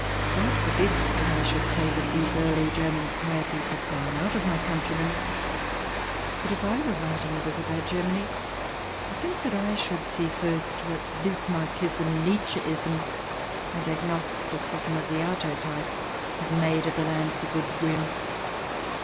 God forbid I should say that these early German pieties have gone out of my countrymen ! But, were I writing a book about Germany, 1 think that I should see first what Bismarckism, Nietzscheism, and agnosticism of the Jatho type have made of the land of the good Grimm.